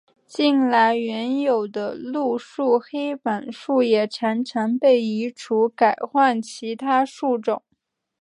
近来原有的路树黑板树也常常被移除改换其他树种。